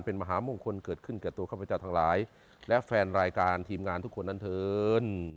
อาหมาคมไขมงคลเกิดขึ้นเกี่ยวข้อพระพระเจ้าทางรรย์และแฟนรายการทีมงานทุกคนนั้นเพิ่ม